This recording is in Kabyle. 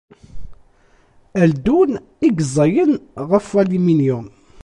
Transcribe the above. Aldun i yeẓẓayen ɣef waliminyum.